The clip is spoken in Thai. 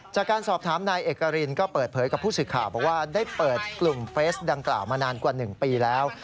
จากการสอบถามนายเอกรินก็เปิดเผยกับผู้สื่อข่าวบอกว่าได้เปิดกลุ่มเฟสดังกล่าวมานานกว่า๑ปีแล้ว